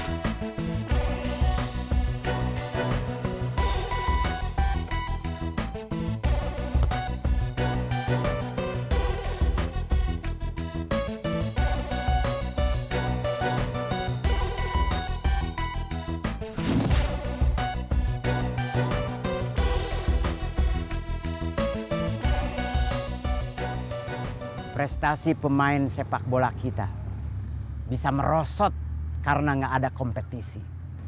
inspirasi pemain sepak bola kita bisa merosot karena gak ada kompetisi